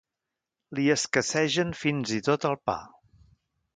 Li escassegen fins i tot el pa.